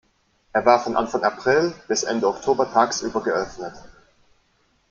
Er war von Anfang April bis Ende Oktober tagsüber geöffnet.